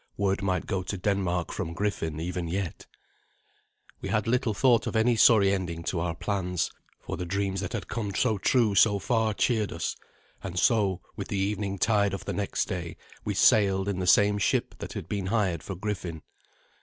Word might go to Denmark from Griffin even yet. We had little thought of any sorry ending to our plans, for the dreams that had come so true so far cheered us. And so, with the evening tide of the next day, we sailed in the same ship that had been hired for Griffin.